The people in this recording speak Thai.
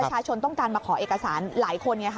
ประชาชนต้องการมาขอเอกสารหลายคนไงค่ะ